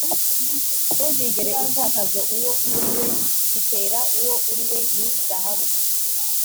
ntuzigere utakaza uwo uriwe 'gitera uwo uriwe ni zahabu